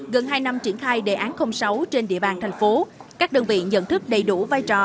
gần hai năm triển khai đề án sáu trên địa bàn thành phố các đơn vị nhận thức đầy đủ vai trò